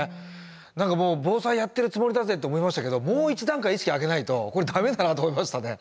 何かもう防災やってるつもりだぜって思いましたけどもう一段階意識上げないとこれ駄目だなと思いましたね。